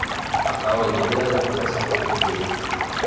Hasta hoy ninguna de las promesas fueron cumplidas.